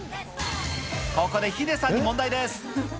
ここでヒデさんに問題です。